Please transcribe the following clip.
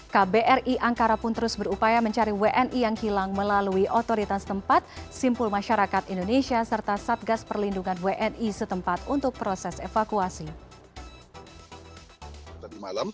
kbri angkara pun terus berupaya mencari wni yang hilang melalui otoritas tempat